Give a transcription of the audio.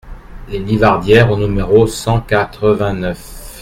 Les Livardieres au numéro cent quatre-vingt-neuf